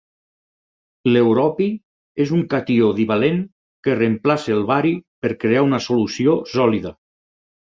L'europi és un catió divalent que reemplaça el bari per crear una solució sòlida.